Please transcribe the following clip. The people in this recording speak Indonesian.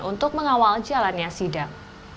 untuk mengawal jalannya sidang